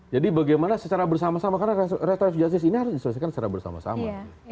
jadi bagaimana secara bersama sama karena restoratif justice ini harus diselesaikan secara bersama sama